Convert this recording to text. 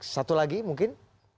satu lagi mungkin